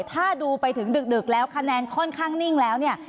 ถ้าดูไปถึงดึกแล้วคะแนนค่อนข้างนิ่งแล้วเนี่ย